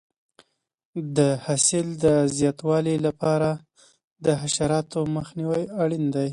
د حاصل د زیاتوالي لپاره د حشراتو مخنیوی اړین دی.